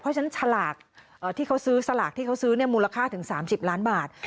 เพราะฉะนั้นสลากที่เขาซื้อมูลค่าถึง๓๐ล้านบาท